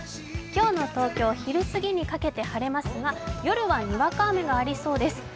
今日の東京昼過ぎにかけて晴れますが夜は、にわか雨がありそうです。